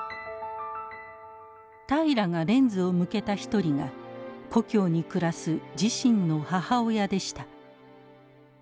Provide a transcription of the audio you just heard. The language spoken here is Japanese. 平良がレンズを向けた一人が故郷に暮らす自身の母親でした。